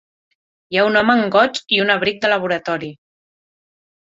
Hi ha un home en gots i un abric de laboratori